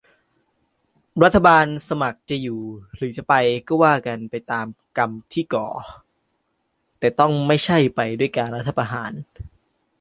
รัฐบาลสมัครจะอยู่หรือจะไป ก็ว่ากันไปตามกรรมที่ก่อ - แต่ต้องไม่ใช่ไปด้วยรัฐประหาร